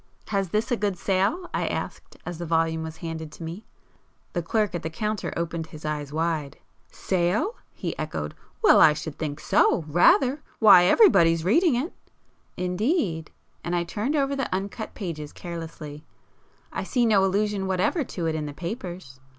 "Has this a good sale?" I asked, as the volume was handed to me. The clerk at the counter opened his eyes wide. "Sale?" he echoed—"Well, I should think so—rather! Why everybody's reading it!" "Indeed!" and I turned over the uncut pages carelessly—"I see no allusion whatever to it in the papers."